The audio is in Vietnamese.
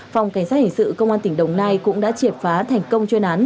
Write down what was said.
phòng cảnh sát hình sự công an tỉnh đồng nai cũng đã triệt phá thành công chuyên án